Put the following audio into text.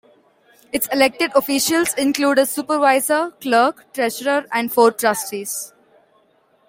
Its elected officials include a Supervisor, Clerk, Treasurer and four trustees.